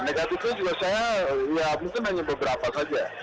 negatifnya juga saya ya mungkin hanya beberapa saja